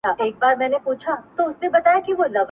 وایې اصل یمه زه مي تر سیلانو.